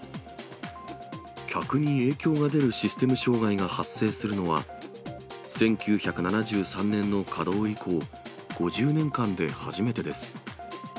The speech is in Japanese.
客に影響が出るシステム障害が発生するのは、１９７３年の稼働以降、５０年間で初めてです。